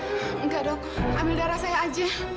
enggak dok ambil darah saya aja